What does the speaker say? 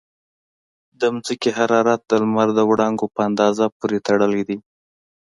د ځمکې حرارت د لمر د وړانګو په اندازه پورې تړلی دی.